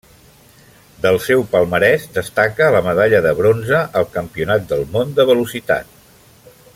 Del seu palmarès destaca la medalla de bronze al Campionat del món de velocitat.